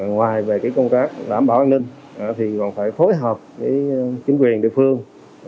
ngoài công tác đảm bảo an ninh còn phải phối hợp với chính quyền địa phương